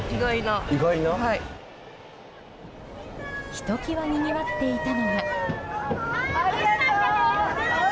ひときわにぎわっていたのが。